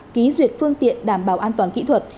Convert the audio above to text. ký duyệt phương tiện đảm bảo an toàn kỹ thuật